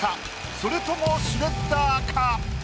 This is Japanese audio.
それともシュレッダーか？